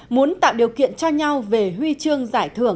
muốn tạo điều kiện cho nhau về huy chương giải thưởng